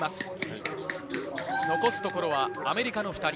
残すところはアメリカの２人。